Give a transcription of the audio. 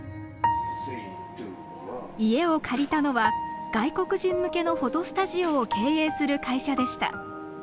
家を借りたのは外国人向けのフォトスタジオを経営する会社でした。